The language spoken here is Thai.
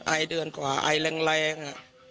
ไอเดือนกว่าไอแรง